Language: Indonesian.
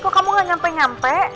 kok kamu gak nyampe nyampe